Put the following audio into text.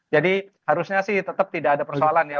jadi harusnya sih tetap tidak ada persoalan ya